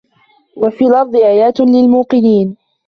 وفي الأرض آيات للموقنين